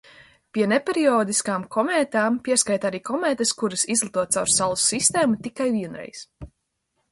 Pie neperiodiskām komētām pieskaita arī komētas, kuras izlido caur Saules sistēmu tikai vienreiz.